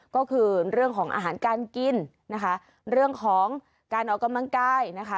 ก็คือเรื่องของอาหารการกินนะคะเรื่องของการออกกำลังกายนะคะ